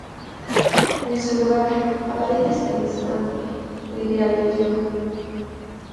En su lugar aparece esta instancia del ideal del yo.